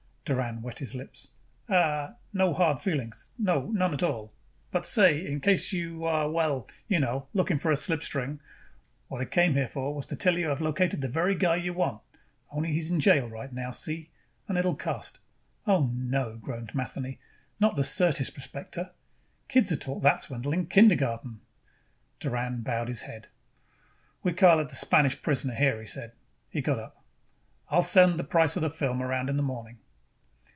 Doran wet his lips. "Uh, no hard feelings. No, none at all. But say, in case you are, well, you know, looking for a slipstring, what I came here for was to tell you I have located the very guy you want. Only he is in jail right now, see, and it will cost " "Oh, no!" groaned Matheny. "Not the Syrtis Prospector! Kids are taught that swindle in kindergarten." Doran bowed his head. "We call it the Spanish Prisoner here," he said. He got up. "I will send the price of those films around in the morning."